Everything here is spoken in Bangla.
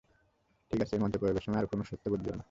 ঠিক আছে, এই মন্ত্র প্রয়োগের সময়ে আর কোনো শর্ত বদলিও না।